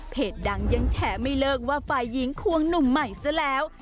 ดังยังแฉไม่เลิกว่าฝ่ายหญิงควงหนุ่มใหม่ซะแล้ว